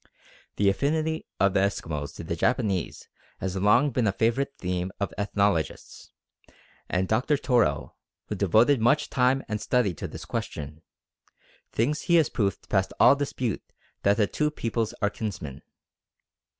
The affinity of the Eskimos to the Japanese has long been a favourite theme of ethnologists, and Dr. Torrell, who devoted much time and study to this question, thinks he has proved past all dispute that the two peoples are kinsmen.